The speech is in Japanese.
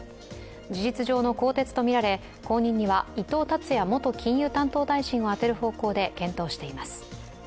事実上の更迭とみられ後任には伊藤達也元金融担当大臣を充てる方向で検討しています。